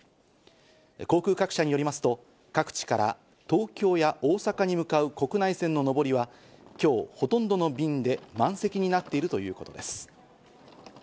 航空各社によりますと、各地から東京や大阪に向かう国内線の上りは、今日ほとんどの便で満席になっているということです。